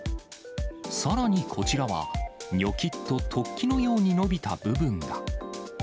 さらにこちらは、にょきっと突起のように伸びた部分が。